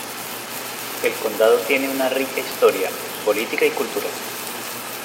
El condado tiene una rica historia política y cultural.